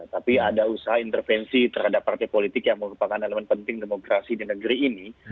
tapi ada usaha intervensi terhadap partai politik yang merupakan elemen penting demokrasi di negeri ini